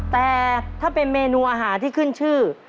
แต่ถ้าเป็นเมนูอาหารที่ขึ้นชื่อ